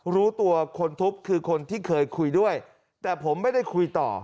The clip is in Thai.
รู้ตัวคนทุบคือคนที่เคยคุยด้วยแต่ผมไม่ได้คุยต่อ